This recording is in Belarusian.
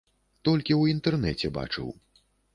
Толькі ў інтэрнэце бачыў.